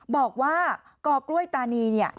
บอกว่าก่อกล้วยตานี